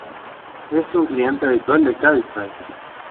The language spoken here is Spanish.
Es un cliente habitual de Cabify.